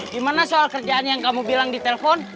gimana soal kerjaan yang kamu bilang di telpon